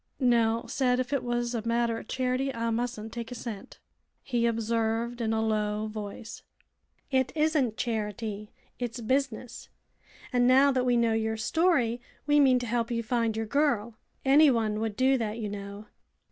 "Nell said if it was a matter o' charity I mustn't take a cent," he observed, in a low voice. '"It isn't charity. It's business. And now that we know your story we mean to help you find your girl. Anyone would do that, you know.